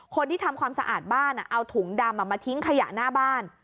คนที่ทำความสะอาดบ้านเอาถุงดำมาทิ้งขยะหน้าบ้าน